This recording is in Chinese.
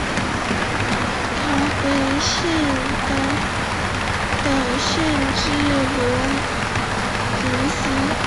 卡本县的县治罗林斯。